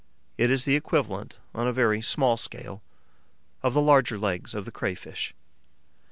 It is the equivalent, on a very small scale, of the larger legs of the Crayfish.